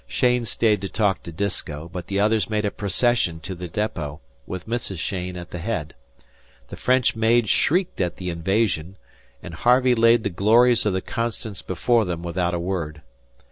Cheyne stayed to talk with Disko, but the others made a procession to the depot, with Mrs. Cheyne at the head. The French maid shrieked at the invasion; and Harvey laid the glories of the "Constance" before them without a word.